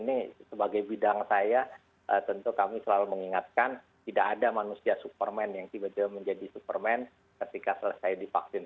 ini sebagai bidang saya tentu kami selalu mengingatkan tidak ada manusia superman yang tiba tiba menjadi superman ketika selesai divaksin